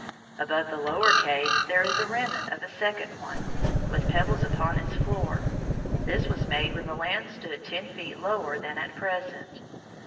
Above the lower cave there is a remnant of a second one, with pebbles upon its floor. This was made when the land stood ten feet lower than at present.